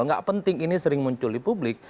nggak penting ini sering muncul di publik